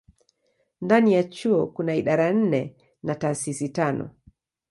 Ndani ya chuo kuna idara nne na taasisi tano.